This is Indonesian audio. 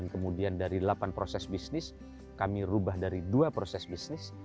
kemudian dari delapan proses bisnis kami rubah dari dua proses bisnis